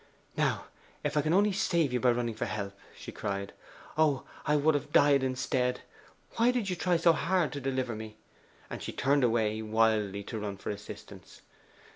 'Now, if I can only save you by running for help!' she cried. 'Oh, I would have died instead! Why did you try so hard to deliver me?' And she turned away wildly to run for assistance.